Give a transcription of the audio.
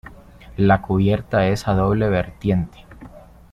La cubierta es a doble vertiente.